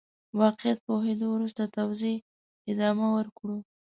واقعيت پوهېدو وروسته توزيع ادامه ورکړو.